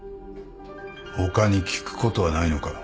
他に聞くことはないのか？